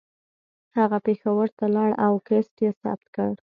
هغه پېښور ته لاړ او کیسټ یې ثبت کړه